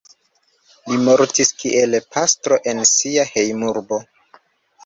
Li mortis kiel pastro en sia hejmurbo.